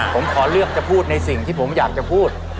ผมขอเลือกจะพูดในสิ่งที่ผมอยากจะพูด